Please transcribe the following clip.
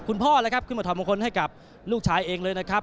คุณพ่อนะครับขึ้นมาถอดมงคลให้กับลูกชายเองเลยนะครับ